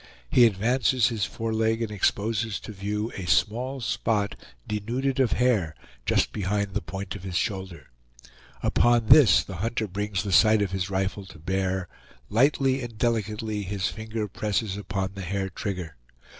He advances his foreleg, and exposes to view a small spot, denuded of hair, just behind the point of his shoulder; upon this the hunter brings the sight of his rifle to bear; lightly and delicately his finger presses upon the hair trigger.